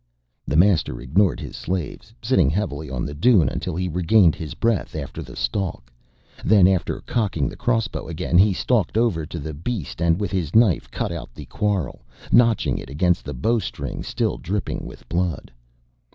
The master ignored his slaves, sitting heavily on the dune until he regained his breath after the stalk. Then after cocking the crossbow again he stalked over to the beast and with his knife cut out the quarrel, notching it against the bowstring still dripping with blood.